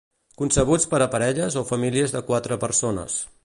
Concebuts per a parelles o famílies de quatre persones.